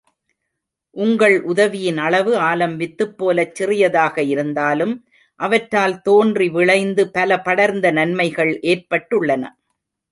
உங்கள் உதவியின் அளவு ஆலம் வித்துப்போலச் சிறியதாக இருந்தாலும், அவற்றால் தோன்றி விளைந்து பல படர்ந்த நன்மைகள் ஏற்பட்டுள்ளன.